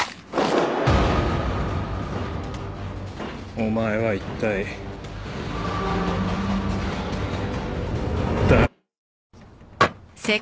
お前は一体誰。